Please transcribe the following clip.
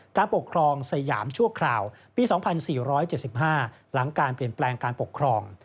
การปกครองสยามชั่วคราวปี๒๔๗๕หลังการเปลี่ยนแปลงการปกครอง